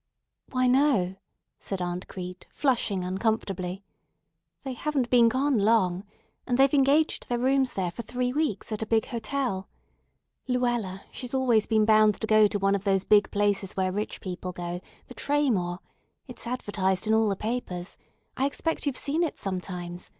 "Why, no," said Aunt Crete, flushing uncomfortably. "They haven't been gone long. And they've engaged their rooms there for three weeks at a big hotel. Luella, she's always been bound to go to one of those big places where rich people go, the Traymore. It's advertised in all the papers. I expect you've seen it sometimes.